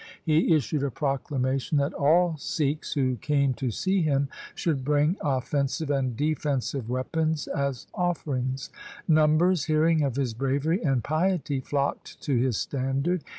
He issued a proclamation that all Sikhs who came to see him should bring offensive and defensive weapons as offerings. Numbers, hearing of his bravery and piety, flocked to his standard.